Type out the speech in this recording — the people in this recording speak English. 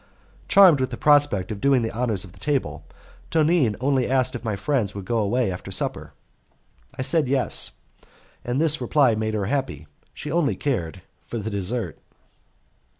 Charmed with the prospect of doing the honours of the table, Tonine only asked me if my friends would go away after supper. I said yes, and this reply made her happy; she only cared for the dessert.